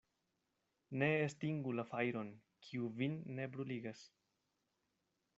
Ne estingu la fajron, kiu vin ne bruligas.